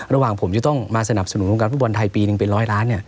ระหว่างผมจะต้องมาสนับสนุนวงการฟุตบอลไทยปีหนึ่งเป็นร้อยล้าน